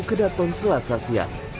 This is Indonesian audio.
ke daton selasasian